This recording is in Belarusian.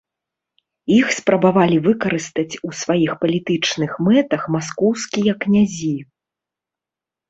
Іх спрабавалі выкарыстаць у сваіх палітычных мэтах маскоўскія князі.